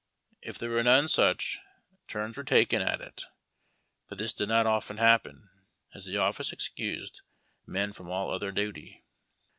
If there were none such, turns were taken at it ; l)ut this did not often happen, as the office excused men from all other duty.